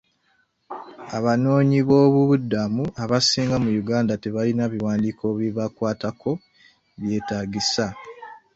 Abanoonyiboobubudamu abasinga mu Uganda tebalina biwandiiko bibakwatako byetaagisa.